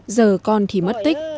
giờ con thì mất tích